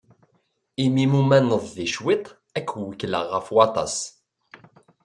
Imi i mumaneḍ di cwiṭ, ad k-wekkleɣ ɣef waṭas.